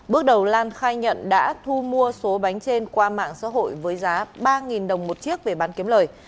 bước đầu lan khai nhận đã thu mua số bánh trên qua mạng xã hội với giá ba đồng một chiếc về bán kiếm lời